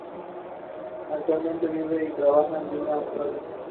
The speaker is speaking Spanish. Actualmente vive y trabaja en Viena, Austria.